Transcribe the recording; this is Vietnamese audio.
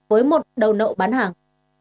với một đầu nậu bán hàng